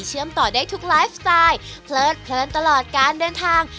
เชื่อมต่อได้ทุกไลฟ์สไตล์เพลิดตลอดการเดินทาง